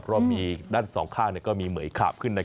เพราะมีด้านสองข้างก็มีเหมือยขาบขึ้น